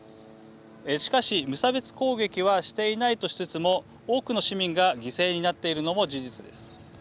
しかし、無差別攻撃はしていないとしつつも多くの市民が犠牲になっているのも事実です。